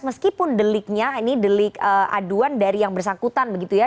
meskipun deliknya ini delik aduan dari yang bersangkutan begitu ya